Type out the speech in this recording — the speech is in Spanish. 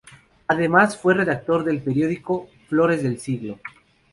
Además fue redactor del periódico "Flores del Siglo".